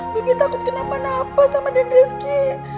bibi takut kena panah apa sama den rizky